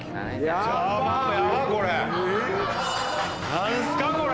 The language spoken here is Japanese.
何すかこれ？